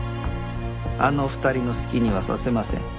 あの２人の好きにはさせません。